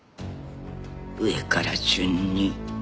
上から順に。